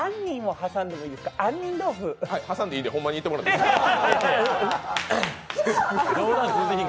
挟んでいいんで、ほんまに行ってもらっていいですか。